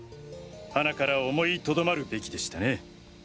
はなから思いとどまるべきでしたね。